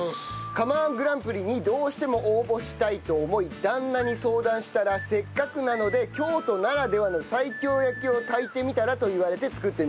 釜−１グランプリにどうしても応募したいと思い旦那に相談したらせっかくなので京都ならではの西京焼きを炊いてみたら？と言われて作ってみました。